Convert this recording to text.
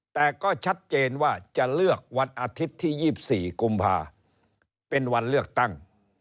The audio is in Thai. แต่ก็ชัดเจนว่าจะเลือกวันอาทิตย์ที่๒๔กุมภาเป็นวันเลือกตั้ง